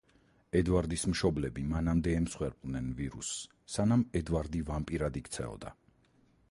ედვარდის მშობლები მანამდე ემსხვერპლნენ ვირუსს, სანამ ედვარდი ვამპირად იქცეოდა.